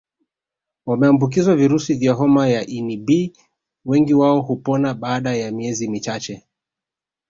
Wameambukizwa virusi vya homa ya ini B wengi wao hupona baada ya miezi michache